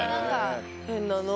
変なの。